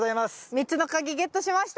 ３つの鍵ゲットしました。